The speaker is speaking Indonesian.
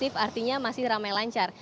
dan lulusif artinya masih ramai lancar